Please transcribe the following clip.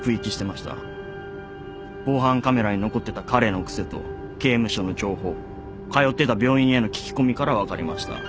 防犯カメラに残ってた彼の癖と刑務所の情報通ってた病院への聞き込みから分かりました。